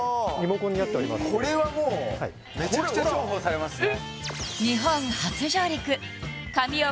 これはもうめちゃくちゃ重宝されますね